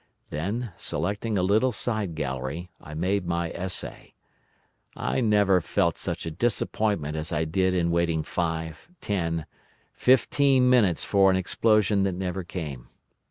Then, selecting a little side gallery, I made my essay. I never felt such a disappointment as I did in waiting five, ten, fifteen minutes for an explosion that never came.